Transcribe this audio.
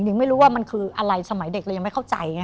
ไม่รู้ว่ามันคืออะไรสมัยเด็กเรายังไม่เข้าใจไง